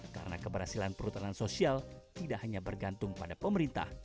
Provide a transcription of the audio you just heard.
karena keberhasilan perhutanan sosial tidak hanya bergantung pada pemerintah